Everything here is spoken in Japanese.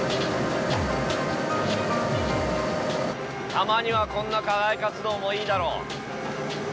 たまにはこんな課外活動もいいだろう。